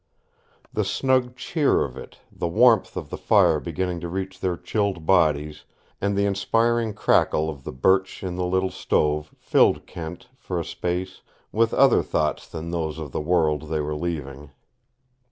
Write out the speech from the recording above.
The snug cheer of it, the warmth of the fire beginning to reach their chilled bodies, and the inspiring crackle of the birch in the little stove filled Kent, for a space, with other thoughts than those of the world they were leaving.